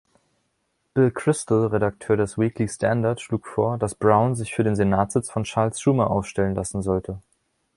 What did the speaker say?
Bill Kristol, Redakteur des Weekly Standard, schlug vor, dass Brown sich für den Senatsitz von Charles Schumer aufstellen lassen sollte.